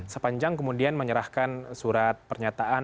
sepanjang kemudian menyerahkan surat pernyataan